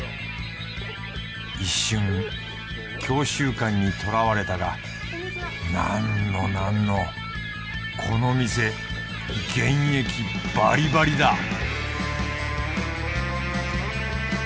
一瞬郷愁感にとらわれたがなんのなんのこの店現役バリバリだ！